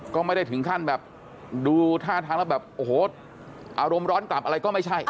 ก็ไม่ได้ถึงขั้นแบบดูท่าทางแล้วแบบโอ้โหอารมณ์ร้อนกลับอะไรก็ไม่ใช่